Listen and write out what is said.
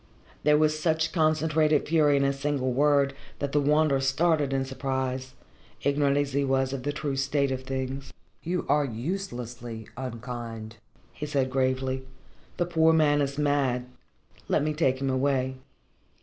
There was such concentrated fury in a single word that the Wanderer started in surprise, ignorant as he was of the true state of things. "You are uselessly unkind," he said gravely. "The poor man is mad. Let me take him away."